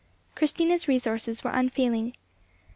Christina's resources were unfailing.